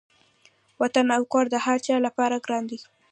وطن او کور د هر چا لپاره ګران دی.